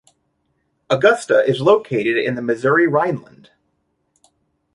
Augusta is located in the Missouri Rhineland.